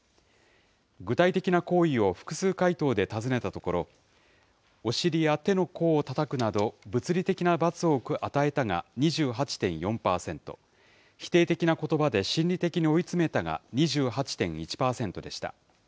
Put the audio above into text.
具体的な行為を複数回答で尋ねたところ、お尻や手の甲をたたくなど物理的な罰を与えたが２８．４％、否定的なことばで心理的に追い詰めたが２８．１％でした。